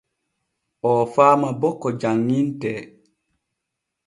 Oo faama bo ko janŋintee.